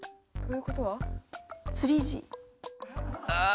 ああ！